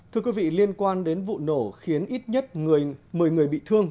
thưa quý vị liên quan đến vụ nổ khiến ít nhất một mươi người bị thương